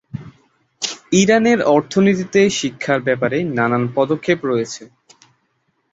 ইরানের অর্থনীতিতে শিক্ষার ব্যাপারে নানান পদক্ষেপ রয়েছে।